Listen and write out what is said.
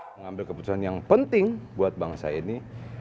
mengambil keputusan yang penting buat bangsa ini